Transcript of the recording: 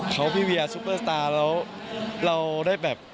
เขาพี่เวียซุปเปอร์สตาร์แล้วเราได้แบบ